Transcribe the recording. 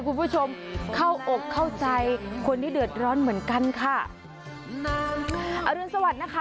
คุณผู้ชมเข้าอกเข้าใจคนที่เดือดร้อนเหมือนกันค่ะอรุณสวัสดิ์นะคะ